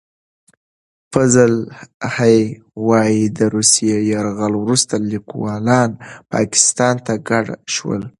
فضل الهي وايي، د روسي یرغل وروسته لیکوالان پاکستان ته کډه شول.